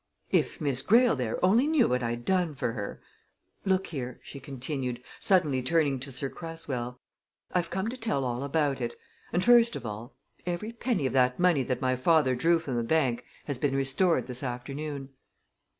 If Miss Greyle there only knew what I'd done for her! look here," she continued, suddenly turning to Sir Cresswell. "I've come to tell all about it. And first of all every penny of that money that my father drew from the bank has been restored this afternoon."